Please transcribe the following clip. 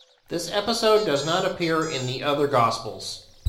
This episode does not appear in the other Gospels.